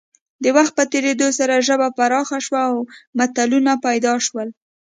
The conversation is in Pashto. د وخت په تېرېدو سره ژبه پراخه شوه او متلونه پیدا شول